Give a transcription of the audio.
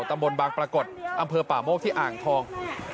ตำบลบางปรากฏอำเภอป่าโมกที่อ่างทอง